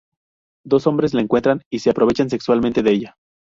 Dos hombres la encuentran y se aprovechan sexualmente de ella.